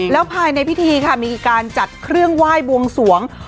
แล้วภายในพิธีค่ะมีการจัดเครื่องไหว้บวงสวง